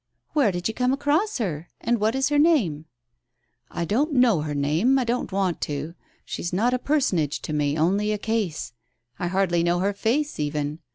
"Where did you come across her, and what is her name ?" "I don't know her name, I don't want to; she is not a personage to me, only a case. I hardly know her face even.